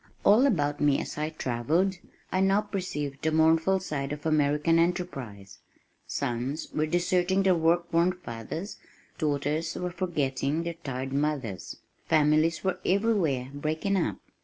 All about me as I travelled, I now perceived the mournful side of American "enterprise." Sons were deserting their work worn fathers, daughters were forgetting their tired mothers. Families were everywhere breaking up.